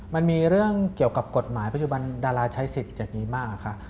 มันมีเรื่องเกี่ยวกับกฎหมายปัจจุบันดาราใช้สิทธิ์จะดีมากค่ะ